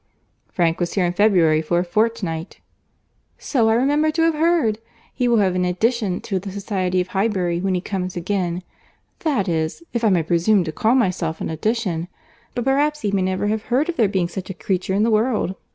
"Frank was here in February for a fortnight." "So I remember to have heard. He will find an addition to the society of Highbury when he comes again; that is, if I may presume to call myself an addition. But perhaps he may never have heard of there being such a creature in the world."